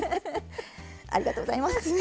ありがとうございます！